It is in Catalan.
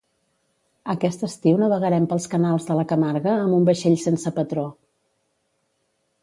Aquest estiu navegarem pels canals de la Camarga amb un vaixell sense patró